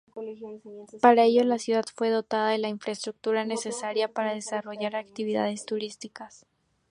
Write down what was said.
Para ello, la ciudad fue dotada de la infraestructura necesaria para desarrollar actividades turísticas.